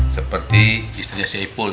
seperti istrinya si ipul